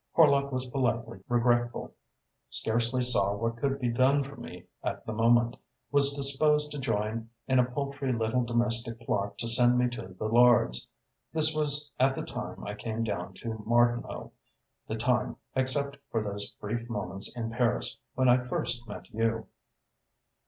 Horlock was politely regretful, scarcely saw what could be done for me at the moment, was disposed to join in a paltry little domestic plot to send me to the Lords. This was at the time I came down to Martinhoe, the time, except for those brief moments in Paris, when I first met you."